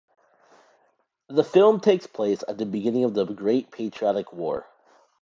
The film takes place at the beginning of the Great Patriotic War.